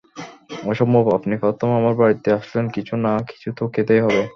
অসম্ভব, আপনি প্রথম আমার বাড়িতে আসলেন কিছু না কিছু তো খেতেই হবে।